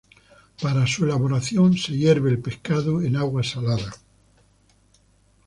Para su elaboración se hierve el pescado en agua salada.